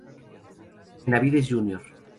Benavidez Jr.